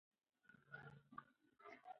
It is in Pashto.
انا په یخه او تیاره کوټه کې د شپې عبادت کاوه.